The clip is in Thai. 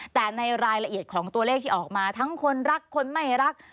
แต่ในรายละเอียดของตัวเลขที่ออกมาทั้งคนรักคนไม่รัก